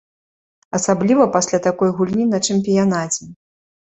Асабліва пасля такой гульні на чэмпіянаце.